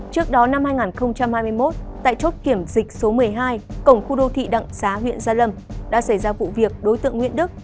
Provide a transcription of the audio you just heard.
trước đó năm hai nghìn hai mươi một tại chốt kiểm dịch số một mươi hai cổng khu đô thị đặng xá huyện gia lâm đã xảy ra vụ việc đối tượng nguyễn đức